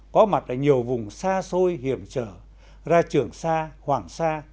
có mặt ở nhiều vùng xa xôi hiểm trở ra trường xa hoảng xa